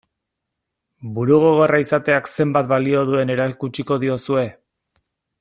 Burugogorra izateak zenbat balio duen erakutsiko diozue?